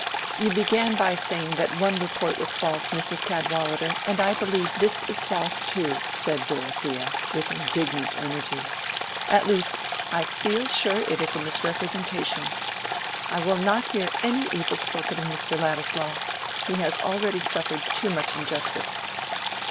"You began by saying that one report was false, Mrs. Cadwallader, and I believe this is false too," said Dorothea, with indignant energy; "at least, I feel sure it is a misrepresentation. I will not hear any evil spoken of Mr. Ladislaw; he has already suffered too much injustice."